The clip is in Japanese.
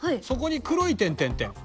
そこに黒い点点点。